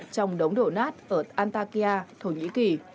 trong đống đổ nát ở antakya thổ nhĩ kỳ